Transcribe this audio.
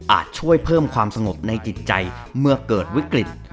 ช่วยเพิ่มความสงบในจิตใจเมื่อเกิดวิกฤต